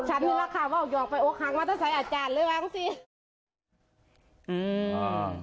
อ๋อฉันฝากว่าเขายอมไปโอคหักมาเท่าไหร่อาจารย์หรือหวังสิ